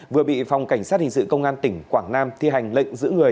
vừa bị phòng cảnh sát hình sự công an tỉnh quảng nam thi hành lệnh giữ người